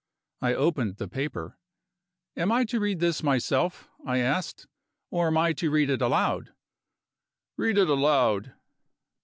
I opened the paper. "Am I to read this to myself?" I asked. "Or am I to read it aloud?" "Read it aloud!"